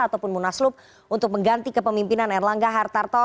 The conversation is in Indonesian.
ataupun munaslup untuk mengganti kepemimpinan erlangga hartarto